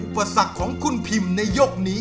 ดูเขาเล็ดดมชมเล่นด้วยใจเปิดเลิศ